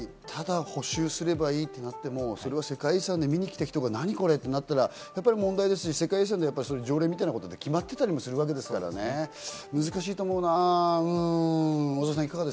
確かに、ただ補修すればいいとなっても、世界遺産で見に来た人が何これ？ってなったら問題ですし、世界遺産って、条例みたいなもので決まってたりするわけですからね、難しいと思うな。